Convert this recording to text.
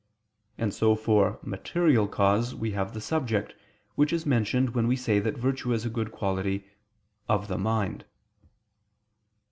And so for material cause we have the subject, which is mentioned when we say that virtue is a good quality "of the mind."